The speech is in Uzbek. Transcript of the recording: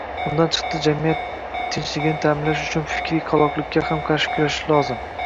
Bundan chiqdi, jamiyat tinchligini ta’minlash uchun fikriy qoloqlikka ham qarshi kurashish lozim.